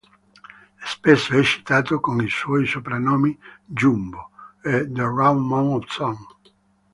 Spesso è citato con i suoi soprannomi "Jumbo" e "The Round Mound of Sound".